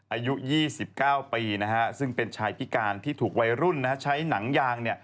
อายุ๒๙ปีซึ่งเป็นชายพิการที่ถูกวัยรุ่นใช้หนังยาง